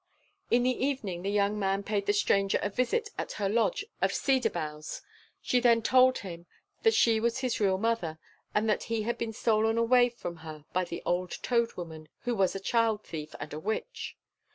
In the evening the young man paid the stranger a visit at her lodge of cedar houghs. She then told him that she was his real mother, and that he had been stolen away from her by the old Toad Woman, who was a child thief and a witch.